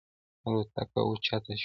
الوتکه اوچته شوه.